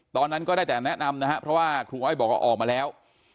ตอนนั้นก็ได้แต่แนะนำนะครับเพราะว่าครูอ้อยบอกว่าออกมาแล้ว